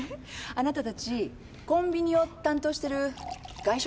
あなたたちコンビニを担当してる外食３課よね？